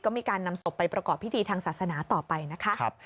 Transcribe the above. ก็มีการนำศพไปประกอบพิธีทางศาสนาต่อไปนะคะ